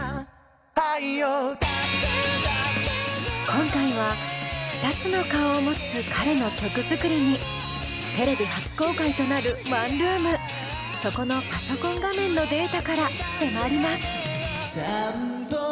今回は２つの顔を持つ彼の曲作りにテレビ初公開となるワンルームそこのパソコン画面のデータから迫ります。